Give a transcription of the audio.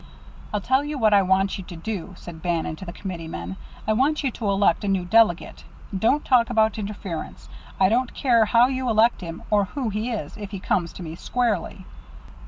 "I'll tell you what I want you to do," said Bannon to the committeemen. "I want you to elect a new delegate. Don't talk about interference I don't care how you elect him, or who he is, if he comes to me squarely."